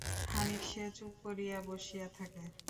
খানিক সে চুপ করিয়া বসিয়া থাকে।